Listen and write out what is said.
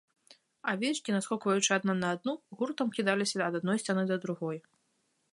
Авечкі, наскокваючы адна на адну, гуртам кідаліся ад адной сцяны да другой.